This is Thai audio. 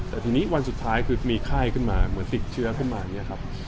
แต่ทีนี้วันสุดท้ายคือมีไข้ขึ้นมาเหมือนติดเชื้อขึ้นมาอย่างนี้ครับ